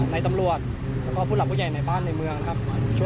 ในตำรวจแล้วก็ผู้หลักผู้ใหญ่ในบ้านในเมืองนะครับ